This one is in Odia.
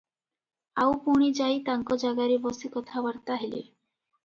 ଆଉ ପୁଣି ଯାଇ ତାଙ୍କ ଜାଗାରେ ବସି କଥାବାର୍ତ୍ତା ହେଲେ ।